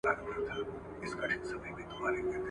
انسان بايد مطالعې ته د عادت په سترګه وګوري.